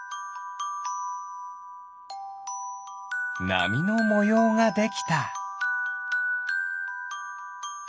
なみのもようができた。